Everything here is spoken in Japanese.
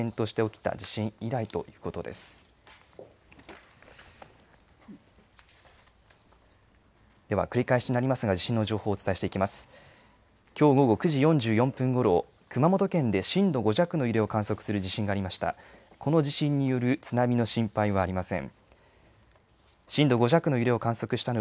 きょう午後９時４４分ごろ、熊本県で震度５弱の揺れを観測する地震がありました。